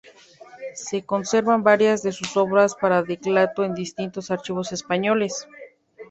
Se conservan varias de sus obras para teclado en distintos archivos españoles.